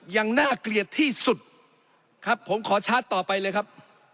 ยังน่าเกลียดที่สุดครับผมขอชาร์จต่อไปเลยครับ